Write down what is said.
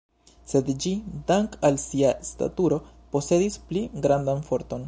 Sed ĝi, dank' al sia staturo, posedis pli grandan forton.